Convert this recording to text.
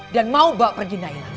dan mau bawa pergi nailah